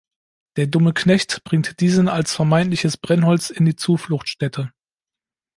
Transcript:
Der dumme Knecht bringt diesen als vermeintliches Brennholz in die Zufluchtsstätte.